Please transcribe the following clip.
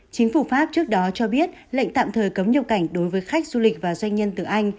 chính phủ pháp trước đó cho biết lệnh tạm thời cấm nhập cảnh đối với khách du lịch và doanh nhân từ anh